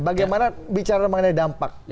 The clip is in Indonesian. bagaimana bicara mengenai dampak